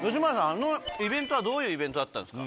あのイベントはどういうイベントだったんですか。